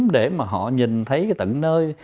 để mà họ nhìn thấy cái tận nơi